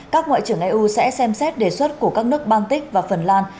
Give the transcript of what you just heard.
các ngoại trưởng eu sẽ xem xét đề xuất của các nước baltic và phần lan